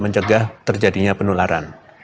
mencegah terjadinya penularan